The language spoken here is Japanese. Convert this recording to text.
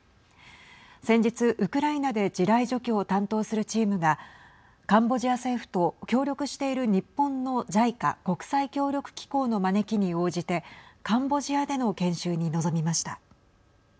先日ウクライナで地雷除去を担当するチームがカンボジア政府と協力している日本のＪＩＣＡ＝国際協力機構の招きに応じてカンボジアでの研修に臨みました。